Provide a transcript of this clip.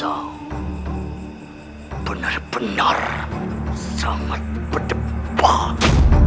saya benar benar sangat berdebat